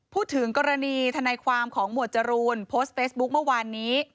พูดถึงกรณีทนายความของหมวดจรูนโพสต์เฟซบุ๊คเมื่อวานนี้